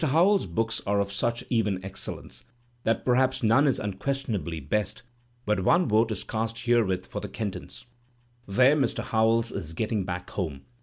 Howells's books are of such even excellence that perhaps none is unquestionably best, but one vote is cast herewith for "The Kentons." There Mr. Howells is getting back home.